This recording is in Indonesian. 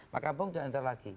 makampung tidak netral lagi